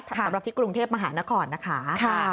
สำหรับที่กรุงเทพมหานครนะคะ